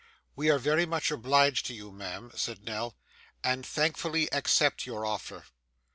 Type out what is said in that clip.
'We are very much obliged to you, ma'am,' said Nell, 'and thankfully accept your offer.